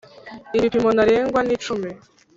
ibipimo ntarengwa nicumi.